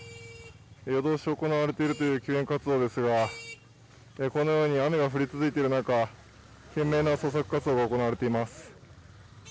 夜通し行われているという救援活動ですがこのように雨が降り続いている中、懸命な捜索活動が行われています。